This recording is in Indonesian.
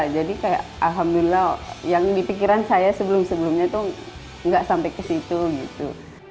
jadi kayak alhamdulillah yang dipikiran saya sebelum sebelumnya tuh gak sampai ke situ gitu